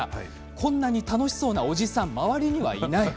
こんなに楽しそうなおじさん周りにはない。